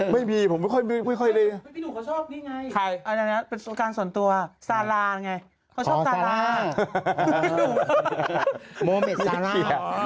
ไม่มีผมไม่ค่อยนี่ไงเป็นส่วนตัวสาราไง